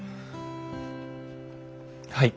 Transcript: はい。